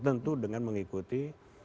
tentu dengan mengikuti